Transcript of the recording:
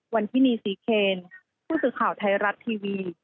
วันที่นี่ศรีเคนผู้สื่อข่าวไทยรัฐทีวี